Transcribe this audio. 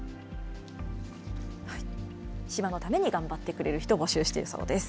島のために頑張ってくれる人を募集しているそうです。